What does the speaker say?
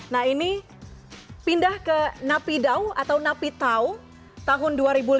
nah ini pindah ke napi dao atau napi tao tahun dua ribu lima